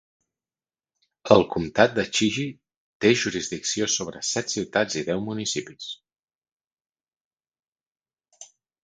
El comtat de Jixi té jurisdicció sobre de set ciutats i deu municipis.